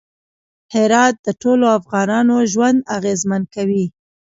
هرات د ټولو افغانانو ژوند اغېزمن کوي.